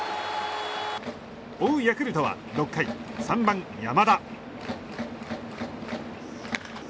追うヤクルトは６回３番、山田。